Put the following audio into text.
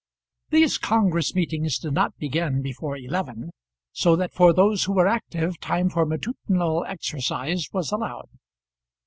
These congress meetings did not begin before eleven, so that for those who were active time for matutinal exercise was allowed.